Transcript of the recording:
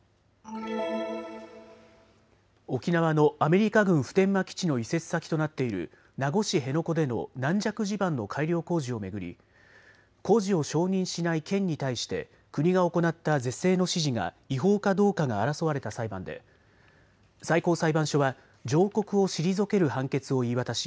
沖縄のアメリカ軍普天間基地の移設先となっている名護市辺野古での軟弱地盤の改良工事を巡り工事を承認しない県に対して国が行った是正の指示が違法かどうかが争われた裁判で最高裁判所は上告を退ける判決を言い渡し